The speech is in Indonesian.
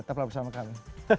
tetap bersama kami